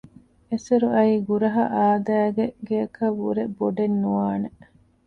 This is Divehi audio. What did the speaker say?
އެސޮރުއައި ގުރަހަ އާދައިގެ ގެއަކަށްވުރެ ބޮޑެއް ނުވާނެ